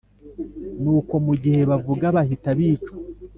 Nuko mu gihe bavuga bahita bicwa